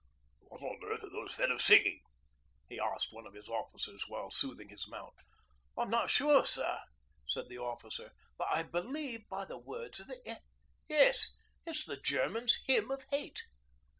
'What on earth are those fellows singing?' he asked one of his officers while soothing his mount. 'I'm not sure, sir,' said the officer, 'but I believe by the words of it yes, it's the Germans' "Hymn of Hate."'